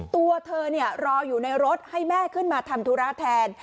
ตัวเธอรออยู่ในรถให้แม่ขึ้นมาทำธุระแทน